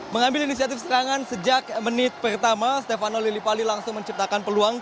mengambil inisiatif serangan sejak menit pertama stefano lillipali langsung menciptakan peluang